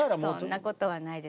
そんなことはないです。